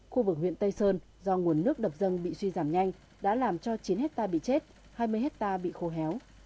khu vực huyện tây sơn do nguồn nước đập dâng bị suy giảm nhanh đã làm cho chín hecta bị chết hai mươi hecta bị khô héo